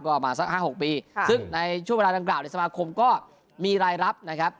ก็ประมาณสัก๕๖ปีซึ่งในช่วงเวลาดังกล่าวในสมาคมก็มีรายรับนะครับ